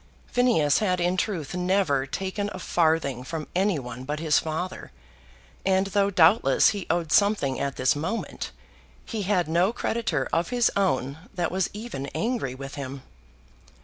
Phineas had in truth never taken a farthing from any one but his father; and though doubtless he owed something at this moment, he had no creditor of his own that was even angry with him.